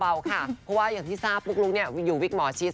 เพราะว่าอย่างที่ทราบปุ๊กลุ๊กอยู่วิกหมอชิต